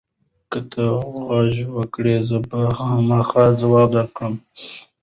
که ته غږ وکړې، زه به خامخا ځواب درکړم.